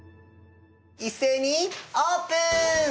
一斉にオープン！